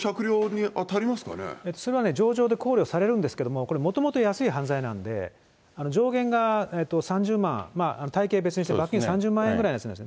それはね、情状で考慮されるんですけど、これ、もともと安い犯罪なんで、上限が３０万、たいけい別にして、罰金３０万円ぐらいなんです。